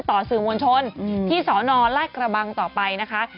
ต่อสื่อมวลชนที่สนราชกระบังต่อไปนะคะ